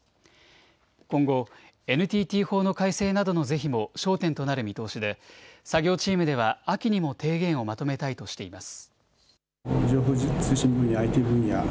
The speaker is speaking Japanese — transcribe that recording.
今後、ＮＴＴ法の改正などの是非も焦点となる見通しで作業チームでは秋にも提言をまとめたいとしています。